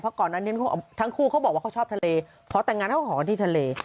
เพราะก่อนทั้งคู่เขาบอกว่าเขาชอบทะเลเพราะแต่งงานเขาของเขาที่ทะเล